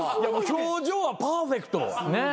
表情はパーフェクト。